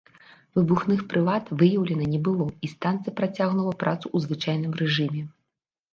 Выбухных прылад выяўлена не было, і станцыя працягнула працу ў звычайным рэжыме.